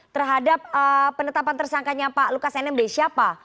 terhadap penetapan tersangkanya pak lukas nmb siapa